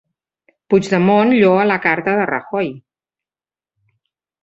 Puigdemont lloa la carta de Rajoy